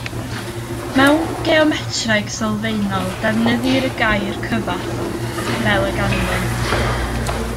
Mewn geometreg sylfaenol, defnyddir y gair cyfath fel a ganlyn.